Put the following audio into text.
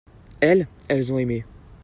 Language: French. elles, elles ont aimé.